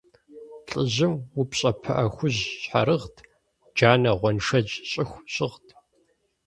ЛӀыжьым упщӀэ пыӀэ хужь щхьэрыгът, джанэ-гъуэншэдж щӀыху щыгът.